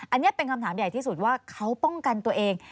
อันนี้เป็นคำถามใหญ่ที่สุดว่าเขาป้องกันตัวเอง